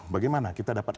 bagaimana kita dapat